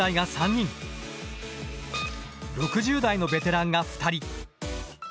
６０代のベテランが２人。